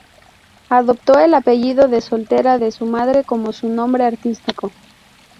Adoptó el apellido de soltera de su madre como su nombre artístico.